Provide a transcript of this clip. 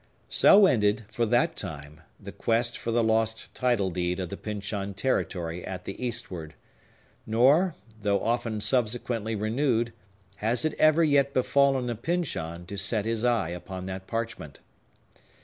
So ended, for that time, the quest for the lost title deed of the Pyncheon territory at the Eastward; nor, though often subsequently renewed, has it ever yet befallen a Pyncheon to set his eye upon that parchment.